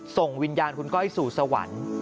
ส่งวิญญาณคุณก้อยสู่สวรรค์